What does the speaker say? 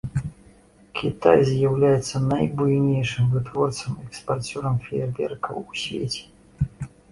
Кітай з'яўляецца найбуйнейшым вытворцам і экспарцёрам феерверкаў у свеце.